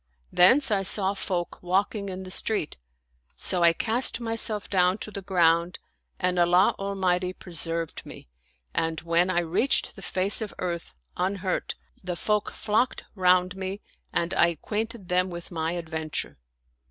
Thence I saw folk walking in the street ; so I cast myself down to the ground and Allah Al mighty preserved me, and when I reached the face of earth, unhurt, the folk flocked round me and I acquainted them with my adventure.